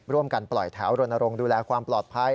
ร่วมกันปล่อยแถวโรนโรงดูแลความปลอดภัย